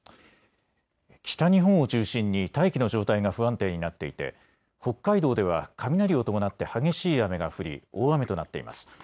北日本を中心に大気の状態が不安定になっていて北海道では雷を伴って激しい雨が降り大雨となっています。